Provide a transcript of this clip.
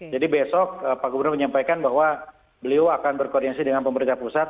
jadi besok pak gubernur menyampaikan bahwa beliau akan berkoordinasi dengan pemerintah pusat